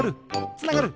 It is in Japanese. つながる！